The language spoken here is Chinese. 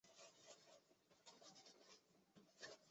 佐佐木胜彦是日本东京都出身的演员及配音员。